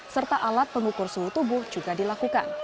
serta alat pengukur suhu tubuh juga dilakukan